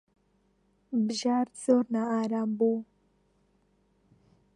بژار زۆر نائارام بوو.